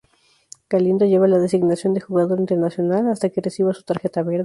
Galindo lleva la designación de 'Jugador Internacional' hasta que reciba su 'tarjeta verde'.